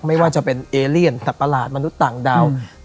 ไม่ว่าจะเป็นเอเลียนแต่ประหลาดมนุษย์ต่างดาว